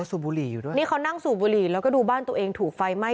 สูบบุหรี่อยู่ด้วยนี่เขานั่งสูบบุหรี่แล้วก็ดูบ้านตัวเองถูกไฟไหม้